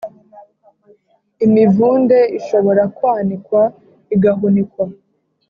imivunde ishobora kwanikwa igahunikwa